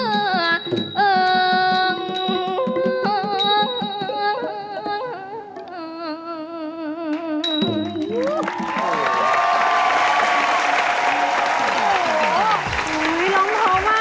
หูยร้องพอมากนะ